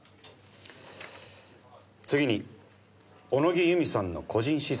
次に小野木由美さんの個人資産ですが。